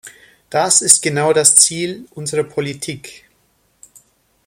Das ist genau das Ziel unserer Politik.